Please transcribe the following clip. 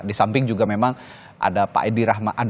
di samping juga memang ada pak edi rahman